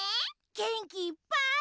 げんきいっぱい。